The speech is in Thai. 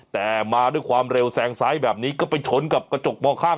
แต่มาด้วยความเร็วแซงซ้ายแบบนี้ก็ไปชนกับกระจกมองข้าง